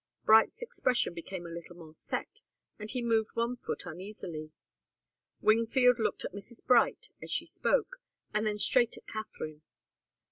Bright's expression became a little more set, and he moved one foot uneasily. Wingfield looked at Mrs. Bright as she spoke, and then straight at Katharine.